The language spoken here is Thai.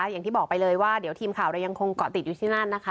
อย่างที่บอกไปเลยว่าเดี๋ยวทีมข่าวเรายังคงเกาะติดอยู่ที่นั่นนะคะ